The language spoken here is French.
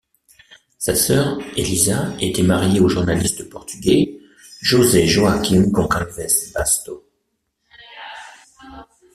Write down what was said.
Sa sœur, Élisa, était mariée au journaliste portugais José Joaquim Gonçalves Basto.